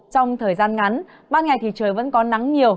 trong thời gian ngắn ban ngày thì trời vẫn có nắng nhiều